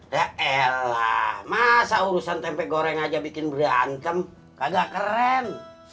ya elah masa urusan tempe goreng aja bikin berangkem kagak keren